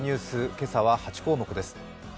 今朝は８項目です。